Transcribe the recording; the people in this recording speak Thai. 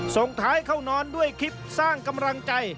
ส่งท้ายเข้านอนด้วยคลิปสร้างกำลังใจ